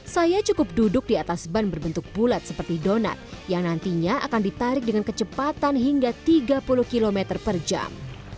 saya cukup duduk di atas ban berbentuk bulat seperti donat yang nantinya akan ditarik dengan kecepatan hingga tiga puluh km per jam